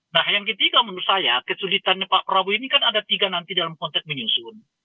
nah yang ketiga menurut saya kesulitannya pak prabowo ini kan ada tiga nanti dalam konteks menyusun